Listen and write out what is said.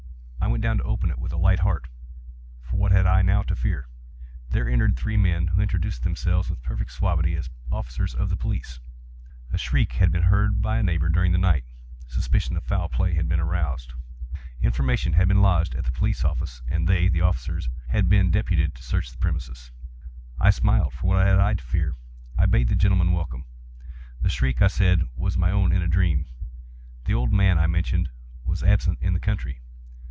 I went down to open it with a light heart,—for what had I now to fear? There entered three men, who introduced themselves, with perfect suavity, as officers of the police. A shriek had been heard by a neighbour during the night; suspicion of foul play had been aroused; information had been lodged at the police office, and they (the officers) had been deputed to search the premises. I smiled,—for what had I to fear? I bade the gentlemen welcome. The shriek, I said, was my own in a dream. The old man, I mentioned, was absent in the country.